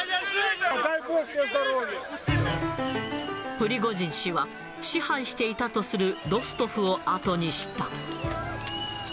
プリゴジン氏は、支配していたとするロストフを後にした。